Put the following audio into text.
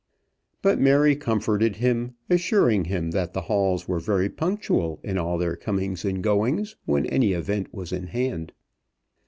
But Mary comforted him, assuring him that the Halls were very punctual in all their comings and goings when any event was in hand.